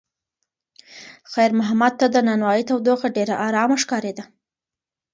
خیر محمد ته د نانوایۍ تودوخه ډېره ارامه ښکارېده.